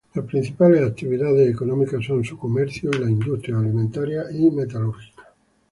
Las principales actividades económicas son su comercio y las industrias alimentarias y metalúrgicas.